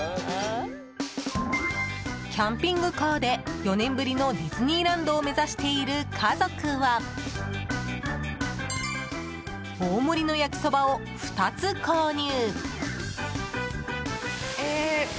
キャンピングカーで４年ぶりのディズニーランドを目指している家族は大盛りの焼きそばを２つ購入。